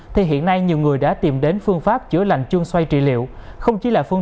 thì hiện nay nhiều người đã tìm đến phương pháp chữa lành chuông xoay trị liệu không chỉ là phương